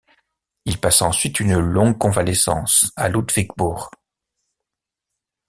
Il passa ensuite une longue convalescence à Ludwigsburg.